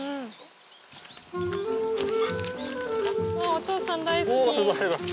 お父さん大好き。